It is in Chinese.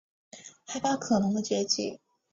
害怕可能的结局